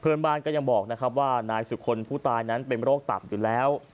เพลินบ้านก็อย่างบอกนะครับว่านายสุครี่บุตรนะเป็นโรกตับอยู่แล้ว